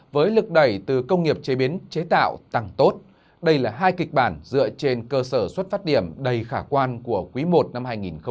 với lực đẩy từ công nghiệp chế biến chế tạo tăng tốt đây là hai kịch bản dựa trên cơ sở xuất phát điểm đầy khả quan của quý i năm hai nghìn hai mươi